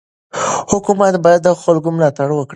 حکومت باید د خلکو ملاتړ وکړي.